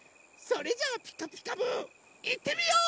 それじゃあ「ピカピカブ！」いってみよう！